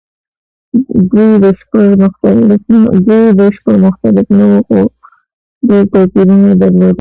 دوی بشپړ مختلف نه وو؛ خو ډېر توپیرونه یې درلودل.